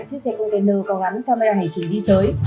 chiếc xe container có gắn camera hành trình đi tới